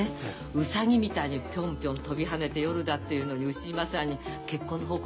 ウサギみたいにピョンピョン跳びはねて夜だっていうのに牛嶋さんに結婚の報告にいらっしゃいましたよ。